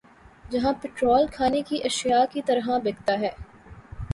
جہاں پیٹرول کھانے کی اشیا کی طرح بِکتا ہے